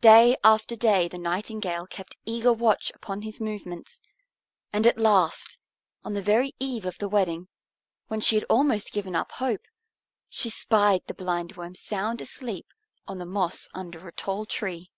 Day after day the Nightingale kept eager watch upon his movements, and at last, on the very eve of the wedding, when she had almost given up hope, she spied the Blindworm sound asleep on the moss under a tall tree.